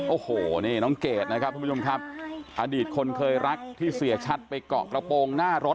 โอ้โหนี่น้องเกดนะครับทุกผู้ชมครับอดีตคนเคยรักที่เสียชัดไปเกาะกระโปรงหน้ารถ